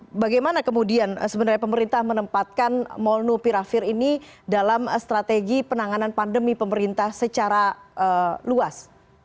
nah bagaimana kemudian sebenarnya pemerintah menempatkan molnupiravir ini dalam strategi penanganan pandemi pemerintah secara luas